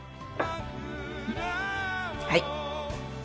はい。